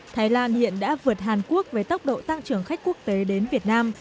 thái lan hiện đã vượt hàn quốc với tốc độ tăng trưởng khách quốc tế đến việt nam